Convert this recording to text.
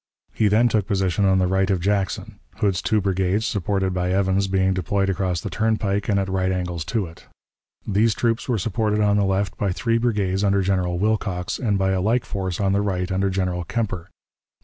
He then took position on the right of Jackson, Hood's two brigades, supported by Evans, being deployed across the turnpike and at right angles to it. These troops were supported on the left by three brigades under General Wilcox, and by a like force on the right under General Kemper.